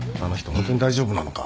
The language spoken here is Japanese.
ホントに大丈夫なのか？